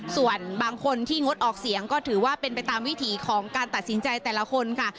ส่วนบางคนที่งดออกเสียงก็ถือว่าเป็นไปตามวิถีของการตัดสินใจแต่ละคนค่ะ